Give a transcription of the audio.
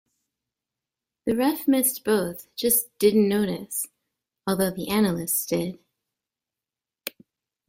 The ref missed both, just "didn't notice", although the analysts did.